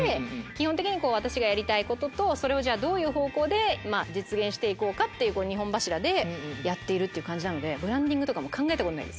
基本的に私がやりたいこととそれをどういう方向で実現して行こうかっていう２本柱でやっている感じなのでブランディング考えたことない。